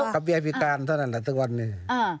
เบียพิการเท่านั้นแหละทุกวันนี้